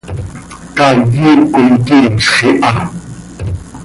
Caay iip coi quinzx iha.